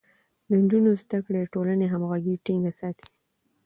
د نجونو زده کړه د ټولنې همغږي ټينګه ساتي.